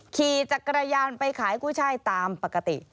ขี่จักรยานไปขายกุ้ยช่ายตามปกติ